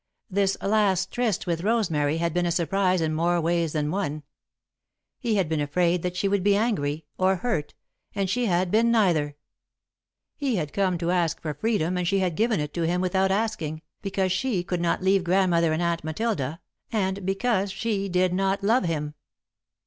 This last tryst with Rosemary had been a surprise in more ways than one. He had been afraid that she would be angry, or hurt, and she had been neither. He had come to ask for freedom and she had given it to him without asking, because she could not leave Grandmother and Aunt Matilda, and because she did not love him.